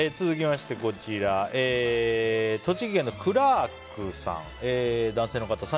続きまして栃木県の男性の方。